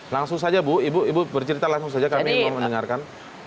langsung saja bu ibu bercerita langsung saja kami mendengarkan